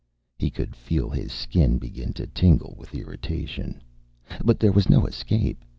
He could feel his skin begin to tingle with irritation. But there was no escape.